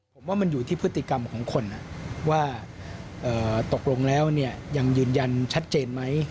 ผมว่ามันอยู่ที่พฤติกรรมของคนว่าตกลงแล้วยังยืนยันชัดเจนไหม